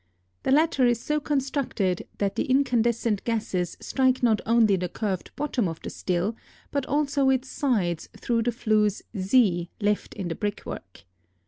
The latter is so constructed that the incandescent gases strike not only the curved bottom of the still, but also its sides through the flues Z left in the brickwork.